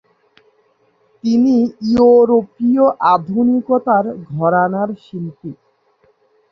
তিনি ইয়োরোপীয় আধুনিকতার ঘরানার শিল্পী।